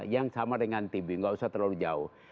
yang sama dengan tb nggak usah terlalu jauh